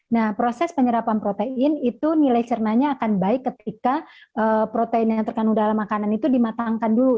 nah proses penyerapan protein itu nilai cernanya akan baik ketika protein yang terkandung dalam makanan itu dimatangkan dulu